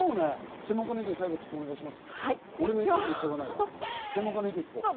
専門家の意見、お願いします。